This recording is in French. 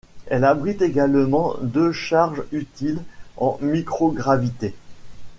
Elle abrite également deux charges utiles en microgravité.